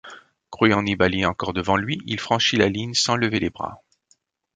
Croyant Nibali encore devant lui, il franchit la ligne sans lever les bras.